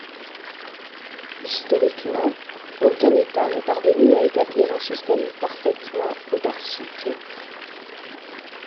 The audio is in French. Historiquement, aucun État n'est parvenu à établir un système parfaitement autarcique.